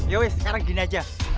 yowes sekarang gini aja